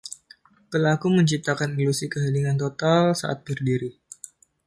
Pelaku menciptakan ilusi keheningan total saat berdiri.